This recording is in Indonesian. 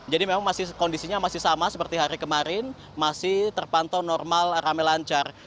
jadi memang kondisinya masih sama seperti hari kemarin masih terpantau normal ramai lancar